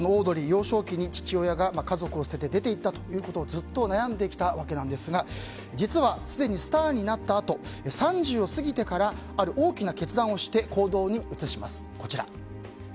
幼少期に父親が家族を捨てて出て行ったということをずっと悩んできたわけなんですが実は、すでにスターになったあと３０を過ぎてからある大きな決断をして行動に移します。